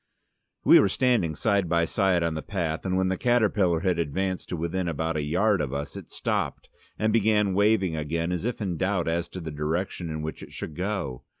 We were standing side by side on the path, and when the caterpillar had advanced to within about a yard of us, it stopped, and began waving again as if in doubt as to the direction in which it should go.